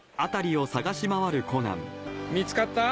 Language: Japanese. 見つかった？